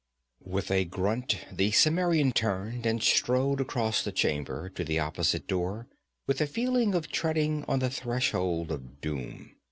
With a grunt the Cimmerian turned and strode across the chamber to the opposite door, with a feeling of treading on the threshold of doom.